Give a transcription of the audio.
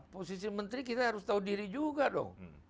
posisi menteri kita harus tahu diri juga dong